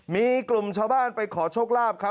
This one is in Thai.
มีกลุ่มชาวบ้านไปขอโชคลาภครับ